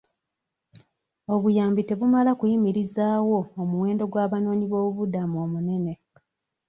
Obuyambi tebumala kuyimirizaawo omuwendo gw'abanoonyiboobubudamu omunene.